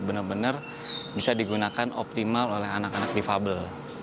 benar benar bisa digunakan optimal oleh anak anak difabel